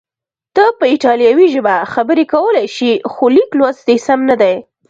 ته په ایټالوي ژبه خبرې کولای شې، خو لیک لوست دې سم نه دی.